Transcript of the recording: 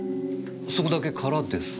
そこだけ空ですね。